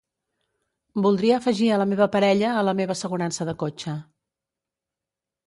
Voldria afegir a la meva parella a la meva assegurança de cotxe.